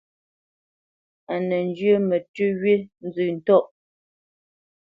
Mə nə́ njyə mətʉ́ wí nzə ntɔ̂ʼ.